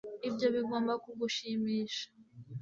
Ibyo bigomba kugushimisha